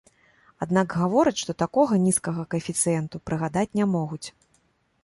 Аднак гавораць, што такога нізкага каэфіцыенту прыгадаць не могуць.